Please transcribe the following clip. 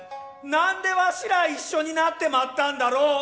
なんで儂ら一緒になってまったんだろ！